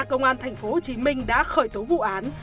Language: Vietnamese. công an tp hcm đã khởi tố vụ án